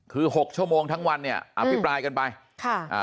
คือ๖ชมทั้งวันเนี่ยอภิปรายกันไปค่ะ